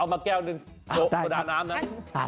เอามาแก้วหนึ่งโซดาน้ำน้ำ